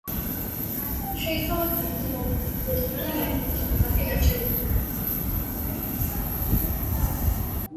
შეისწავლა კამეჩის, მამონტის, ბეწვიანი მარტორქის ნამარხი ნარჩენები.